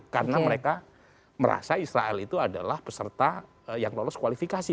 karena mereka merasa israel itu adalah peserta yang lolos kualifikasi